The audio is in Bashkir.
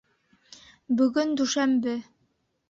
Бөгөн дүшәмбе.